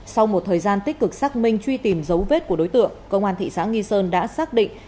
sau một thời gian tích cực xác minh truy tìm dấu vết của đối tượng công an thị xã nghi sơn đã xác định